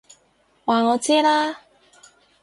話我知啦！